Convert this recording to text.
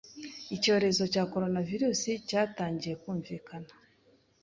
Icyorezo cya Coronavirus, cyatangiye kumvikana